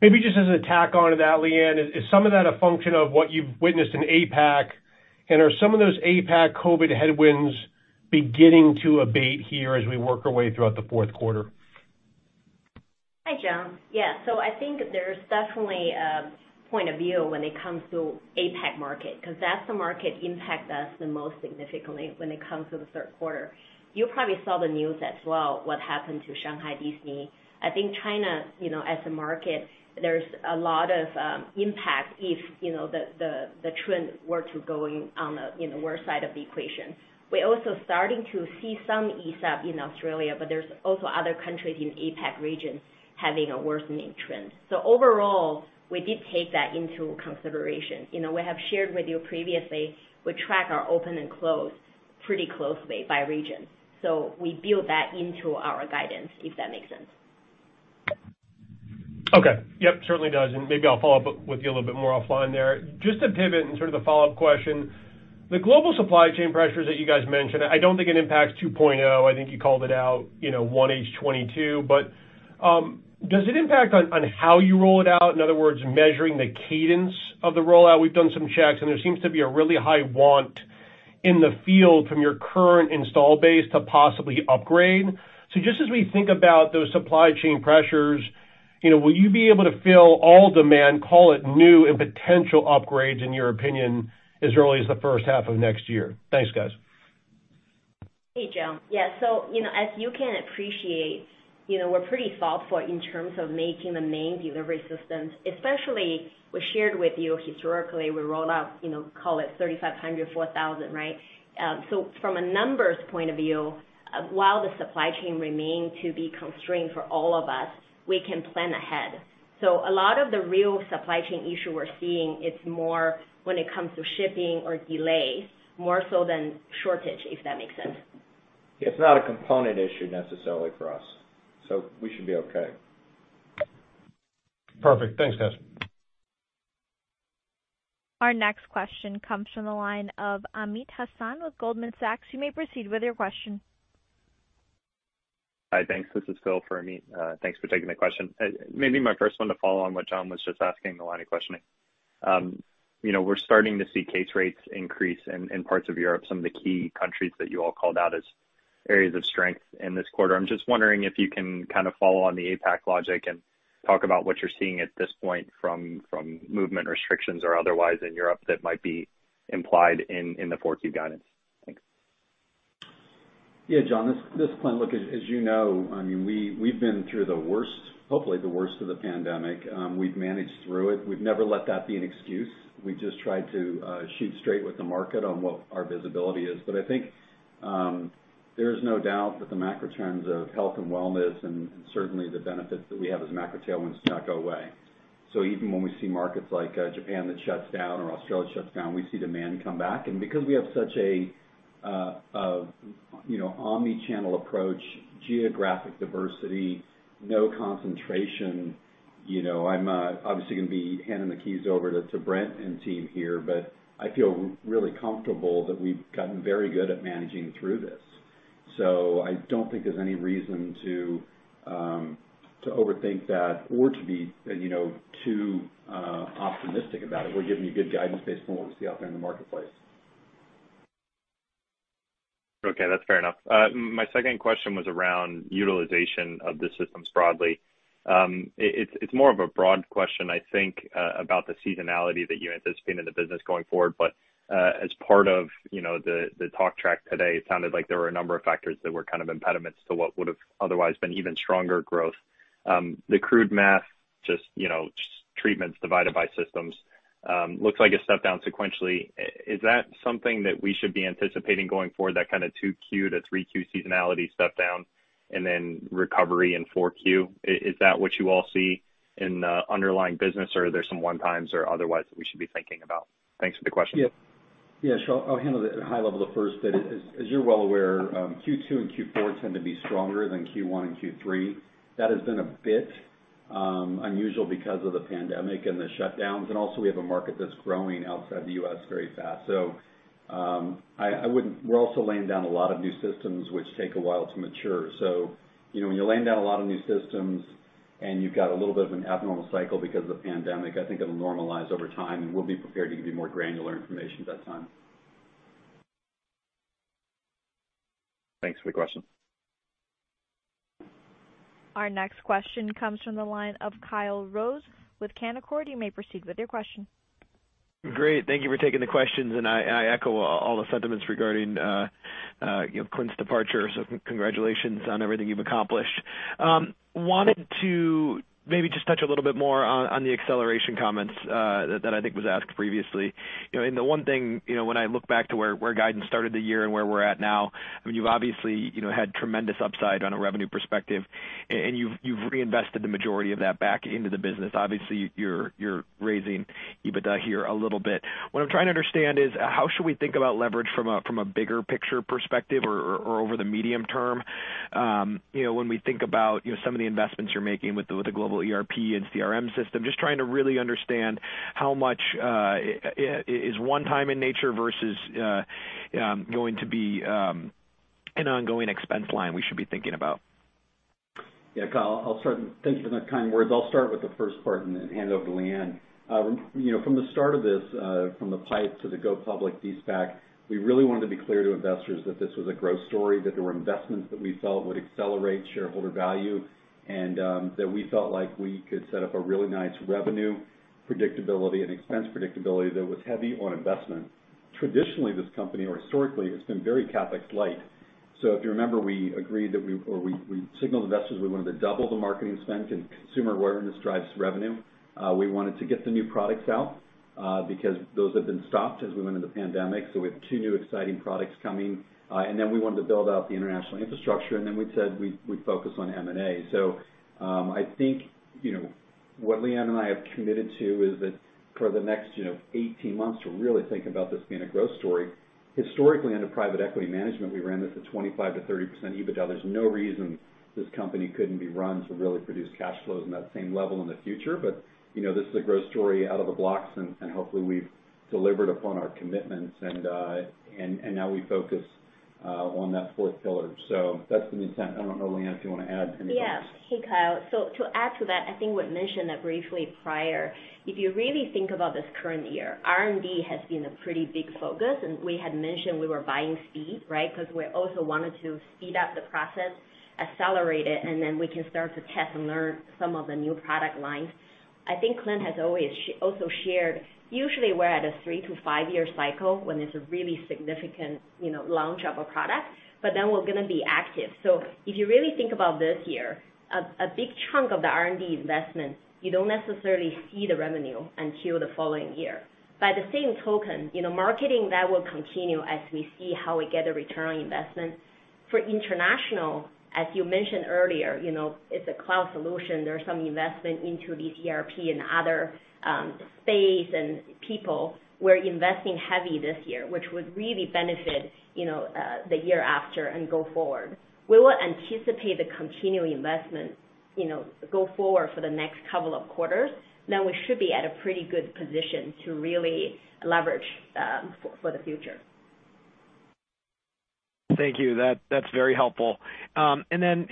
Maybe just as a tack on to that, Liyuan, is some of that a function of what you've witnessed in APAC? Are some of those APAC COVID headwinds beginning to abate here as we work our way throughout the fourth quarter? Hi, John. Yeah. I think there's definitely a point of view when it comes to APAC market, because that's the market impacts us the most significantly when it comes to the third quarter. You probably saw the news as well, what happened to Shanghai Disney. I think China, you know, as a market, there's a lot of impact if, you know, the trend were to go on the, you know, worse side of the equation. We're also starting to see some easing up in Australia, but there's also other countries in APAC region having a worsening trend. Overall, we did take that into consideration. You know, we have shared with you previously, we track our open and close pretty closely by region. We build that into our guidance, if that makes sense. Okay. Yep, certainly does. Maybe I'll follow up with you a little bit more offline there. Just to pivot and sort of the follow-up question, the global supply chain pressures that you guys mentioned, I don't think it impacts 2.0. I think you called it out, you know, 1H 2022. Does it impact on how you roll it out? In other words, measuring the cadence of the rollout. We've done some checks, and there seems to be a really high want in the field from your current install base to possibly upgrade. Just as we think about those supply chain pressures, you know, will you be able to fill all demand, call it new and potential upgrades in your opinion, as early as the first half of next year? Thanks, guys. Hey, John. Yeah. You know, as you can appreciate, you know, we're pretty thoughtful in terms of making the main delivery systems, especially we shared with you historically, we roll out, you know, call it 3,500, 4,000, right? From a numbers point of view, while the supply chain remain to be constrained for all of us, we can plan ahead. A lot of the real supply chain issue we're seeing, it's more when it comes to shipping or delays, more so than shortage, if that makes sense. It's not a component issue necessarily for us, so we should be okay. Perfect. Thanks, guys. Our next question comes from the line of Amit Hazan with Goldman Sachs. You may proceed with your question. Hi. Thanks. This is Phil for Amit Hazan. Thanks for taking the question. Maybe my first one to follow on what John Block was just asking, the line of questioning. You know, we're starting to see case rates increase in parts of Europe, some of the key countries that you all called out as areas of strength in this quarter. I'm just wondering if you can kind of follow on the APAC logic and talk about what you're seeing at this point from movement restrictions or otherwise in Europe that might be implied in the 4Q guidance. Thanks. Yeah, Phil, this, look, as you know, I mean, we've been through the worst, hopefully the worst of the pandemic. We've managed through it. We've never let that be an excuse. We just tried to shoot straight with the market on what our visibility is. I think there is no doubt that the macro trends of health and wellness, and certainly the benefits that we have as macro tailwinds do not go away. Even when we see markets like Japan that shuts down or Australia shuts down, we see demand come back. Because we have such a omni-channel approach, geographic diversity, no concentration, I'm obviously gonna be handing the keys over to Brent and team here, but I feel really comfortable that we've gotten very good at managing through this. I don't think there's any reason to overthink that or to be too optimistic about it. We're giving you good guidance based on what we see out there in the marketplace. Okay. That's fair enough. My second question was around utilization of the systems broadly. It's more of a broad question, I think, about the seasonality that you anticipate in the business going forward. As part of, you know, the talk track today, it sounded like there were a number of factors that were kind of impediments to what would have otherwise been even stronger growth. The crude math, just, you know, just treatments divided by systems, looks like a step down sequentially. Is that something that we should be anticipating going forward, that kind of 2Q-3Q seasonality step down and then recovery in 4Q? Is that what you all see in the underlying business, or are there some one times or otherwise that we should be thinking about? Thanks for the question. Yeah. Yeah, sure. I'll handle the high level the first bit. As you're well aware, Q2 and Q4 tend to be stronger than Q1 and Q3. That has been a bit unusual because of the pandemic and the shutdowns. We also have a market that's growing outside the U.S. very fast. We're also laying down a lot of new systems which take a while to mature. You know, when you're laying down a lot of new systems and you've got a little bit of an abnormal cycle because of the pandemic, I think it'll normalize over time, and we'll be prepared to give you more granular information at that time. Thanks for the question. Our next question comes from the line of Kyle Rose with Canaccord. You may proceed with your question. Great. Thank you for taking the questions, and I echo all the sentiments regarding, you know, Clint's departure. Congratulations on everything you've accomplished. I wanted to maybe just touch a little bit more on the acceleration comments that I think was asked previously. You know, the one thing, you know, when I look back to where guidance started the year and where we're at now, I mean, you've obviously, you know, had tremendous upside on a revenue perspective, and you've reinvested the majority of that back into the business. Obviously, you're raising EBITDA here a little bit. What I'm trying to understand is, how should we think about leverage from a bigger picture perspective or over the medium term? You know, when we think about, you know, some of the investments you're making with the global ERP and CRM system, just trying to really understand how much is one time in nature versus going to be an ongoing expense line we should be thinking about. Yeah. Kyle, I'll start. Thank you for the kind words. I'll start with the first part and then hand over to Liyuan. You know, from the start of this, from the PIPE to the go-public de-SPAC, we really wanted to be clear to investors that this was a growth story, that there were investments that we felt would accelerate shareholder value, and that we felt like we could set up a really nice revenue predictability and expense predictability that was heavy on investment. Traditionally, this company or historically, it's been very CapEx light. If you remember, we signaled investors we wanted to double the marketing spend, and consumer awareness drives revenue. We wanted to get the new products out, because those have been stopped as we went into the pandemic. We have two new exciting products coming. Then we wanted to build out the international infrastructure, and then we said we'd focus on M&A. I think you know, what Liyuan and I have committed to is that for the next 18 months to really think about this being a growth story. Historically, under private equity management, we ran this at 25%-30% EBITDA. There's no reason this company couldn't be run to really produce cash flows in that same level in the future. You know, this is a growth story out of the blocks and hopefully we've delivered upon our commitments and now we focus on that fourth pillar. That's the intent. I don't know, Liyuan, if you wanna add anything. Yeah. Hey, Kyle. To add to that, I think we mentioned that briefly prior, if you really think about this current year, R&D has been a pretty big focus, and we had mentioned we were buying speed, right? 'Cause we also wanted to speed up the process, accelerate it, and then we can start to test and learn some of the new product lines. I think Clint has always also shared, usually we're at a three to five year cycle when there's a really significant, you know, launch of a product, but then we're gonna be active. If you really think about this year, a big chunk of the R&D investment, you don't necessarily see the revenue until the following year. By the same token, you know, marketing that will continue as we see how we get a return on investment. For international, as you mentioned earlier, you know, it's a cloud solution. There's some investment into the ERP and other space and people. We're investing heavy this year, which would really benefit, you know, the year after and go forward. We will anticipate the continued investment, you know, go forward for the next couple of quarters. Then we should be at a pretty good position to really leverage for the future. Thank you. That's very helpful. You know,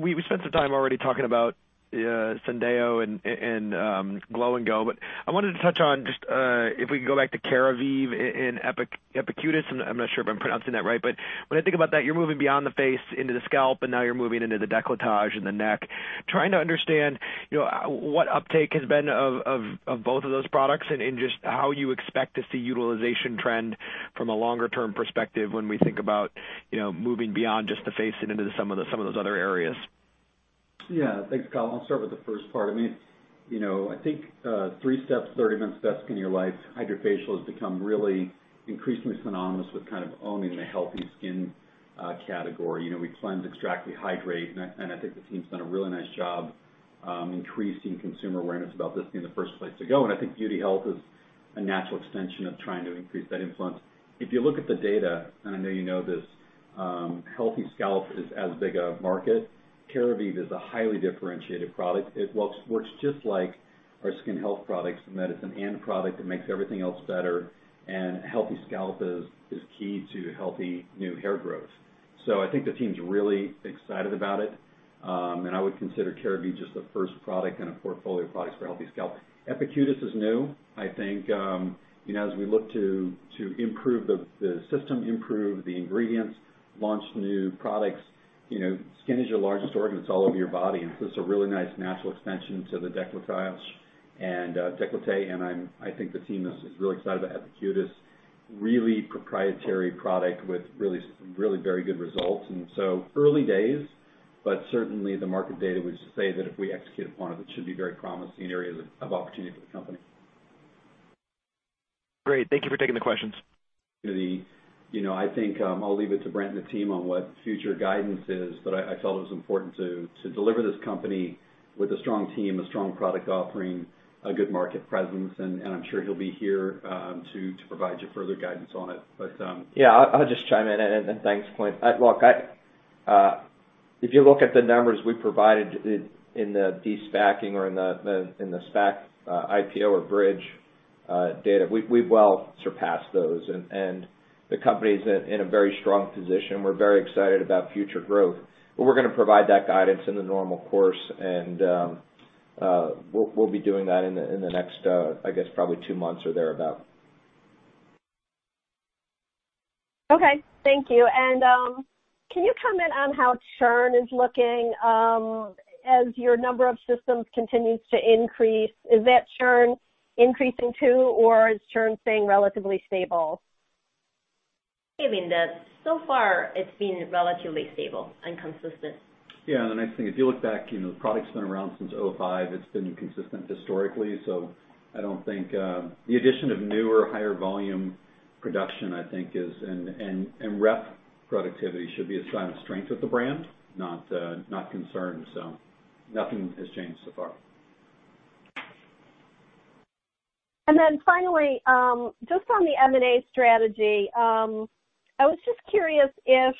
we spent some time already talking about Syndeo and Glow & Go, but I wanted to touch on just if we can go back to Keravive and Epicutis, and I'm not sure if I'm pronouncing that right. When I think about that, you're moving beyond the face into the scalp, and now you're moving into the décolletage and the neck. I'm trying to understand, you know, what uptake has been of both of those products and just how you expect to see utilization trend from a longer term perspective when we think about, you know, moving beyond just the face and into some of those other areas. Yeah. Thanks, Kyle. I'll start with the first part. I mean, you know, I think, three steps, 30-minute steps in your life, HydraFacial has become really increasingly synonymous with kind of owning the healthy skin category. You know, we cleanse, extract, we hydrate, and I think the team's done a really nice job, increasing consumer awareness about this being the first place to go. I think Beauty Health is a natural extension of trying to increase that influence. If you look at the data, and I know you know this, healthy scalp is as big a market. Keravive is a highly differentiated product. It works just like our skin health products, and that it's an end product that makes everything else better, and healthy scalp is key to healthy new hair growth. I think the team's really excited about it, and I would consider Keravive just the first product in a portfolio of products for healthy scalp. Epicutis is new. I think, you know, as we look to improve the system, improve the ingredients, launch new products, you know, skin is your largest organ. It's all over your body, and so it's a really nice natural extension to the décolletage and décolleté, and I think the team is really excited about Epicutis. Really proprietary product with really very good results. Early days, but certainly the market data would say that if we execute upon it should be very promising area of opportunity for the company. Great. Thank you for taking the questions. You know, I think I'll leave it to Brent and the team on what future guidance is, but I thought it was important to deliver this company with a strong team, a strong product offering, a good market presence, and I'm sure he'll be here to provide you further guidance on it. I'll just chime in and thanks, Clint. Look, I If you look at the numbers we provided in the de-SPACing or in the SPAC IPO or bridge data, we've well surpassed those. The company's in a very strong position. We're very excited about future growth. We're gonna provide that guidance in the normal course and we'll be doing that in the next, I guess, probably two months or thereabout. Okay, thank you. Can you comment on how churn is looking, as your number of systems continues to increase? Is that churn increasing too, or is churn staying relatively stable? Yeah, Linda, so far it's been relatively stable and consistent. Yeah, the next thing, if you look back, you know, the product's been around since 2005. It's been consistent historically, so I don't think the addition of new or higher volume production, I think is and rep productivity should be a sign of strength with the brand, not concerned, so nothing has changed so far. Just on the M&A strategy, I was just curious if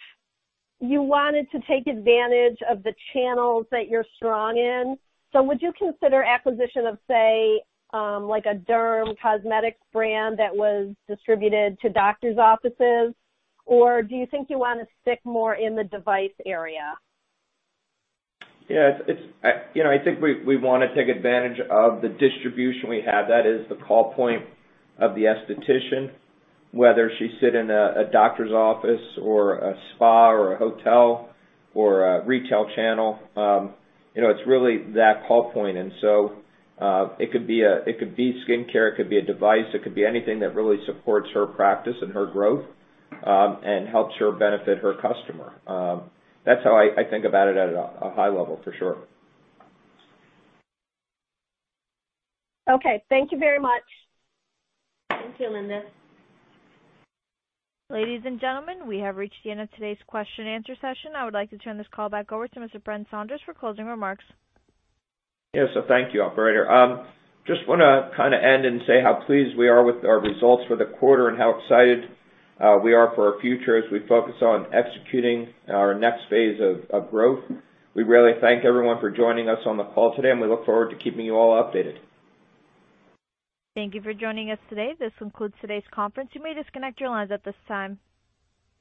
you wanted to take advantage of the channels that you're strong in. Would you consider acquisition of, say, like a derm cosmetic brand that was distributed to doctors' offices? Or do you think you wanna stick more in the device area? Yeah, it's you know, I think we wanna take advantage of the distribution we have. That is the call point of the esthetician, whether she sit in a doctor's office or a spa or a hotel or a retail channel. You know, it's really that call point. It could be skincare, it could be a device, it could be anything that really supports her practice and her growth, and helps her benefit her customer. That's how I think about it at a high level for sure. Okay. Thank you very much. Thank you, Linda. Ladies and gentlemen, we have reached the end of today's question-and-answer session. I would like to turn this call back over to Mr. Brent Saunders for closing remarks. Yes, thank you, operator. Just wanna kinda end and say how pleased we are with our results for the quarter and how excited we are for our future as we focus on executing our next phase of growth. We really thank everyone for joining us on the call today, and we look forward to keeping you all updated. Thank you for joining us today. This concludes today's conference. You may disconnect your lines at this time.